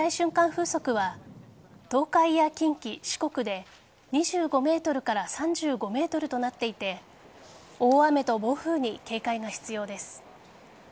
風速は東海や近畿、四国で２５メートルから３５メートルとなっていて大雨と暴風に警戒が必要です。